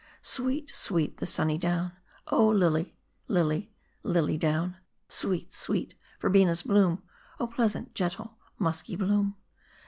Sweet, sweet the sunny down, Oh ! lily, lily, lily down ! Sweet, sweet, Verbena's bloom ! Oh ! pleasant, gentle, musky bloom